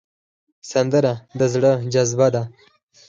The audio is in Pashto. سندره د زړه جذبه ده